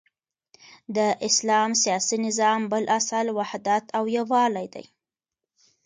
د اسلام سیاسی نظام بل اصل وحدت او یوالی دی،